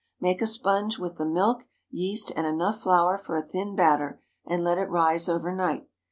Make a sponge with the milk, yeast, and enough flour for a thin batter, and let it rise over night.